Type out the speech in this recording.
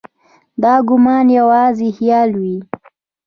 دا ګومان یوازې خیال وي.